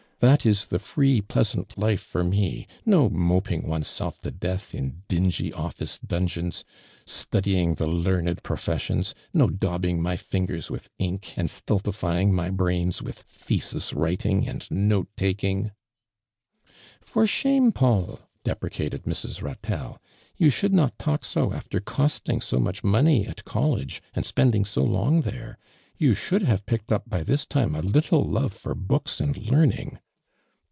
That is the free, pleasant life for me! No mo|iing one's self to deatli in dingy olliee dungeons, studying tho 20 ARMAND DURAND. learned profesmons I nOrlinibing my fingern viith ink, and stultifying my lirains witli thesis writing and note taking I'' " For shame, Paul !"' deprecated Mrs. Ratello. " you should not talk so after costingso much money at college and spend ing so long there; youshonhl have picked up hy this time a little love for books and learning."'